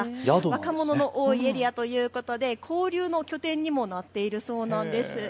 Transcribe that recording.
若者の多いエリアということで交流の拠点にもなっているそうなんです。